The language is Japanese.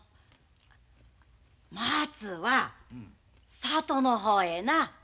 まつは里の方へな。